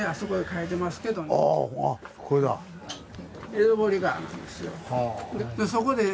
江戸堀があるんですよ。